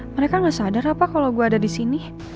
mereka gak sadar apa kalau gue ada di sini